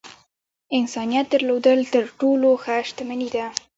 انسانيت درلودل تر ټولو ښۀ شتمني ده .